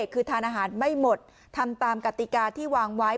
คือทานอาหารไม่หมดทำตามกติกาที่วางไว้